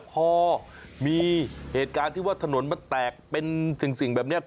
พอมีเหตุการณ์ที่ว่าถนนมันแตกเป็นสิ่งแบบนี้